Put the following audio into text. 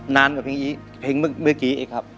นานกว่าเพลงเมื่อกี้อีกครับ